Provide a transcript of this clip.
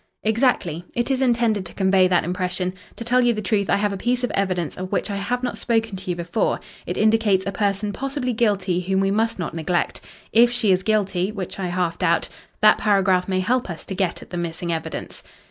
"Exactly. It is intended to convey that impression. To tell you the truth, I have a piece of evidence of which I have not spoken to you before. It indicates a person possibly guilty whom we must not neglect. If she is guilty which I half doubt that paragraph may help us to get at the missing evidence."